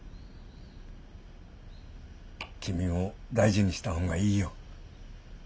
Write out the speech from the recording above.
君も大事にした方がいいよ。